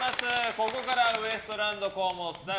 ここからはウエストランド河本さん